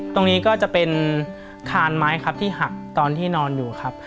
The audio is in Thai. ตรงนี้ก็จะเป็นคานไม้ครับที่หักตอนที่นอนอยู่ครับ